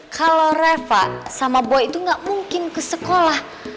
kalau reva sama buaya itu gak mungkin ke sekolah